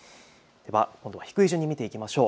今度は低い順に見ていきましょう。